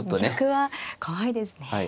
玉は怖いですね。